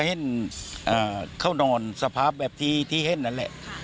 เห็นเขานอนสภาพแบบที่เห็นนั่นแหละ